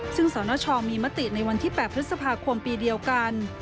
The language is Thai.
ซึ่งสนชมีมติในวันที่๘พฤษภาคมปีเดียวกัน